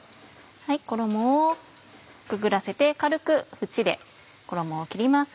衣をくぐらせて軽く縁で衣を切ります。